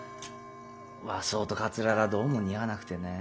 和装とカツラがどうも似合わなくてねぇ。